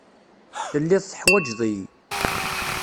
Telliḍ teḥwajeḍ-iyi.